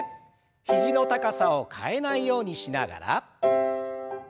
肘の高さを変えないようにしながら。